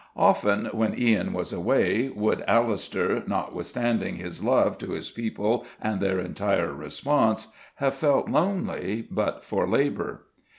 Often when Ian was away, would Alister, notwithstanding his love to his people and their entire response, have felt lonely but for labour.